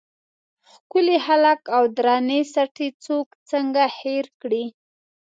ښکلي خلک او درنې سټې څوک څنګه هېر کړي.